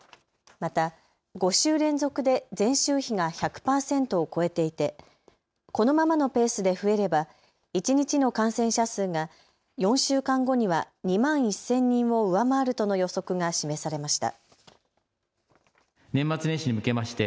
また５週連続で前週比が１００％を超えていてこのままのペースで増えれば一日の感染者数が４週間後には２万１０００人を上回るとの予測が示されました。